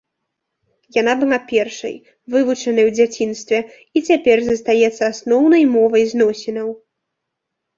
Яна была першай, вывучанай у дзяцінстве, і цяпер застаецца асноўнай мовай зносінаў.